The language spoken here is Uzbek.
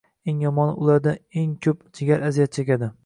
Eng yomoni, ulardan eng koʻp jigar aziyat chekadi.